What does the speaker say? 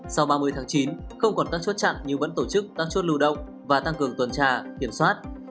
sau ba mươi tháng chín không còn các chốt chặn nhưng vẫn tổ chức các chốt lưu động và tăng cường tuần tra kiểm soát